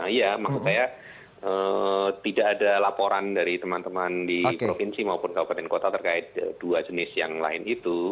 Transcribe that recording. iya maksud saya tidak ada laporan dari teman teman di provinsi maupun kabupaten kota terkait dua jenis yang lain itu